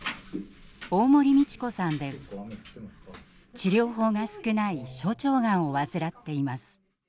治療法が少ない小腸がんを患っています。